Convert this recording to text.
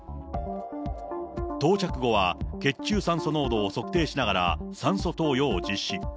到着後は血中酸素濃度を測定しながら、酸素投与を実施。